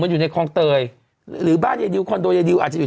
อยู่ในคลองเตยหรือบ้านยายดิวคอนโดยยายดิวอาจจะอยู่